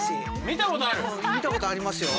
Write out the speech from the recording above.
見たことありますよ。